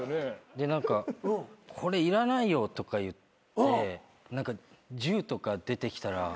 で何かこれいらないよとか言って銃とか出てきたら。